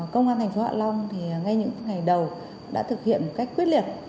công an thành phố hạ long thì ngay những ngày đầu đã thực hiện một cách quyết liệt